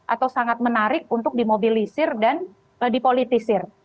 atau sangat menarik untuk dimobilisir dan dipolitisir